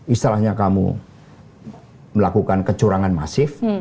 istilahnya kamu melakukan kecurangan masif